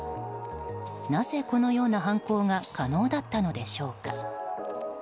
なぜ、このような犯行が可能だったのでしょうか。